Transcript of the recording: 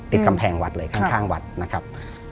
กำแพงวัดเลยข้างวัดนะครับ